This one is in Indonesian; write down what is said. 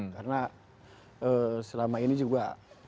karena selama ini juga